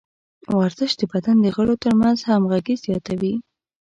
ورزش د بدن د غړو ترمنځ همغږي زیاتوي.